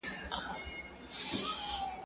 شېدې د خواړو خورا ګټوره ده.